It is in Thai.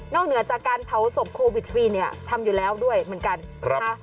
เหนือจากการเผาศพโควิดฟรีเนี่ยทำอยู่แล้วด้วยเหมือนกันนะคะ